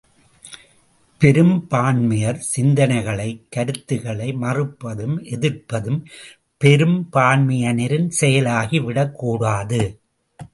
பெரும்பான்மையர் சிந்தனைகளை, கருத்துகளை மறுப்பதும் எதிர்ப்பதும் பெரும்பான்மையினரின் செயலாகிவிடக் கூடாது.